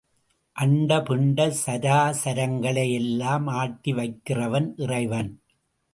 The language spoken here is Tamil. அண்ட பிண்ட சராசரங்களை எல்லாம் ஆட்டி வைக்கிறான் இறைவன்.